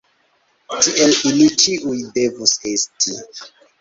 Tiel ili ĉiuj devus esti.